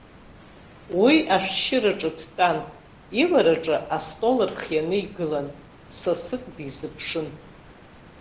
Уи ашәшьыраҿы дтәан, ивараҿы астол рхианы игылан, сасык дизыԥшын.